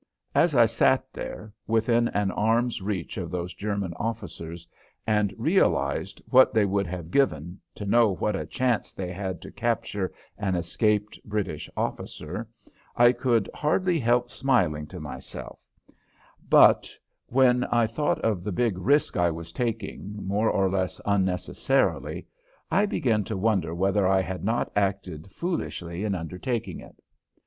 As I sat there, within an arm's reach of those German officers and realized what they would have given to know what a chance they had to capture an escaped British officer, I could hardly help smiling to myself, but when I thought of the big risk I was taking, more or less unnecessarily, I began to wonder whether I had not acted foolishly in undertaking it.